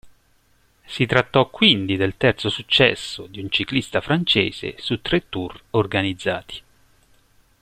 Si trattò quindi del terzo successo di un ciclista francese su tre Tour organizzati.